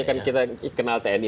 kan kita kenal tni